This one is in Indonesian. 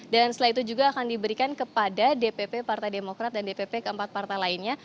dan setelah itu juga akan diberikan kepada dpp partai demokrat dan dpp keempat partai lainnya